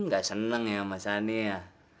gak seneng ya sama sani ya